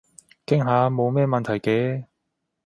傾下冇咩問題嘅